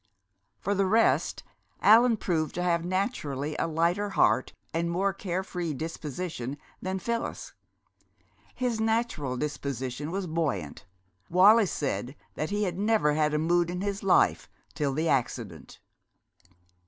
For the rest, Allan proved to have naturally a lighter heart and more carefree disposition than Phyllis. His natural disposition was buoyant. Wallis said that he had never had a mood in his life till the accident.